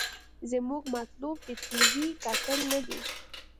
زمونګه مطلوب د ټي وي کتل نه دې.